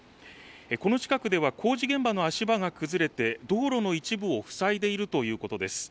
この近くでは工事現場の足場が崩れて道路の一部を塞いでいるということです。